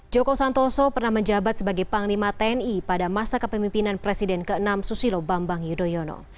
joko santoso pernah menjabat sebagai panglima tni pada masa kepemimpinan presiden ke enam susilo bambang yudhoyono